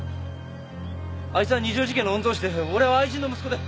あいつは二条路家の御曹司で俺は愛人の息子で。